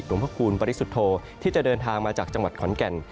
พระคูณปริสุทธโธที่จะเดินทางมาจากจังหวัดขอนแก่น